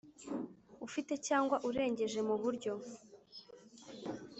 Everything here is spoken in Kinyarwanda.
Ufite cyangwa urengeje mu buryo